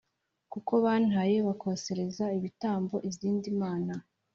kuko bantaye bakosereza ibitambo izindi mana